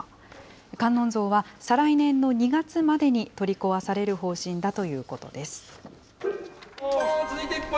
観音像は再来年の２月までに取り壊される方針だということです。